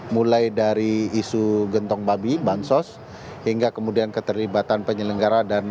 mulai dari isu gentong babi bansos hingga kemudian keterlibatan penyelenggara dan